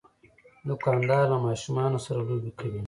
دوکاندار له ماشومان سره لوبې کوي.